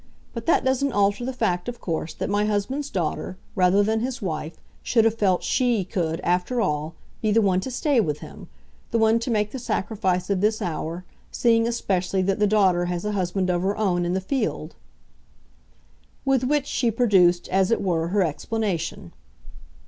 But that doesn't alter the fact, of course, that my husband's daughter, rather than his wife, should have felt SHE could, after all, be the one to stay with him, the one to make the sacrifice of this hour seeing, especially, that the daughter has a husband of her own in the field." With which she produced, as it were, her explanation.